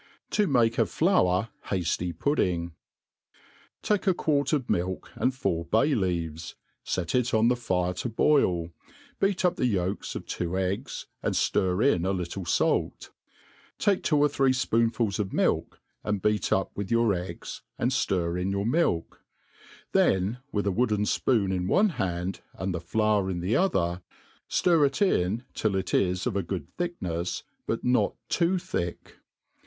To make a Flour Hqfty Pudding. TAKE a quart of milk, and four bay leaves ; fet it on the fire to boil, beat up the yolks of two eggs, and ftir ia a little fait. Take two or three fpoonfuls of milk, and beat up with your eggs, and ftir in your milk; then, with a wooden fpoon in one hand, and the flour in the other, ftir it in till it is of a good tbicknefs, but not too^ thick.